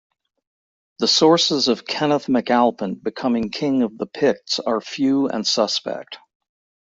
The sources of Kenneth MacAlpin becoming king of the Picts are few and suspect.